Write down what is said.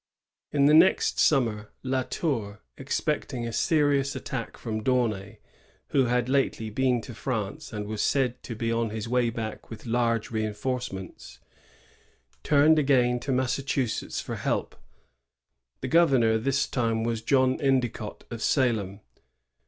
In the next summer, La Tour, expecting a serious attack from D'Aunay, — who had lately been to France, and was said to be on his way back with large reinforcements, — turned again to Massachusetts for help. The governor this time was John Endicott, of Salem.